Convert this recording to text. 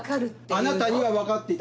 あなたには分かっていた。